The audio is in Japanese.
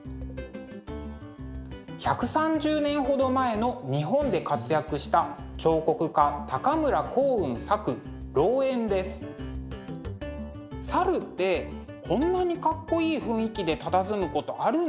１３０年ほど前の日本で活躍した彫刻家猿ってこんなにかっこいい雰囲気でたたずむことあるんでしょうか？